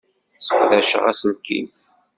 Sseqdaceɣ aselkim.